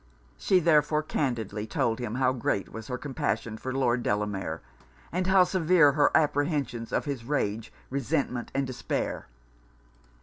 She therefore candidly told him how great was her compassion for Lord Delamere, and how severe her apprehensions of his rage, resentment and despair.